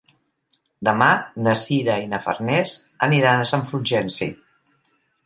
Demà na Sira i na Farners aniran a Sant Fulgenci.